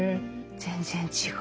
全然違う。